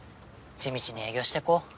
地道に営業してこう。